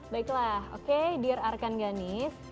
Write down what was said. baiklah oke dear arkanganis